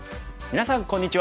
皆さんこんにちは。